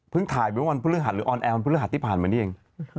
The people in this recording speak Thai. ถ่ายไปเมื่อวันพฤหัสหรือออนแอร์วันพฤหัสที่ผ่านมานี่เอง